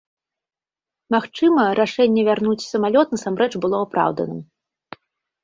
Магчыма, рашэнне вярнуць самалёт насамрэч было апраўданым.